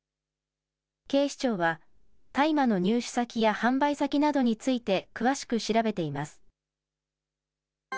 警視庁は大麻の入手先や販売先などについて詳しく調べています。